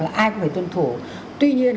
là ai cũng phải tuân thủ tuy nhiên